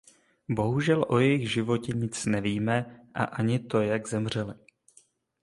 Bohužel o jejich životě nic nevíme a ani to jak zemřely.